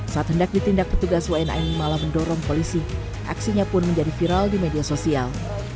saat hendak ditindak petugas wna ini malah mendorong polisi aksinya pun menjadi viral di media sosial